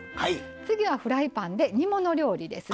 次はフライパンで煮物料理ですね。